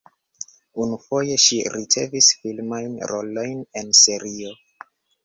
Unufoje ŝi ricevis filmajn rolojn en serio.